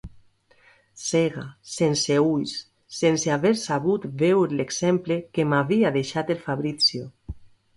Cega, sense ulls, sense haver sabut veure l'exemple que m'havia deixat el Fabrizio.